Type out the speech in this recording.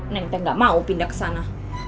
neng teh gak mau pindah kesana